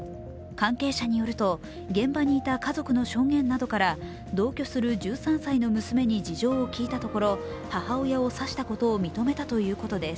関係者によると現場にいた家族の証言などから同居する１３歳の娘に事情を聴いたところ母親を刺したことを認めたということです。